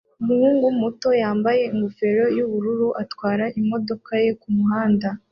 Umuhungu muto yambaye ingofero yubururu atwara imodoka ye kumuhanda